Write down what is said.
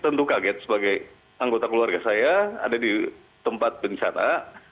tentu kaget sebagai anggota keluarga saya ada di tempat bencana